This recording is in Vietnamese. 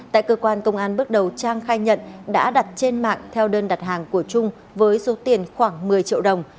tại cơ quan công an bước đầu trang khai nhận đã đặt trên mạng theo đơn đặt hàng của trung với số tiền khoảng một mươi triệu đồng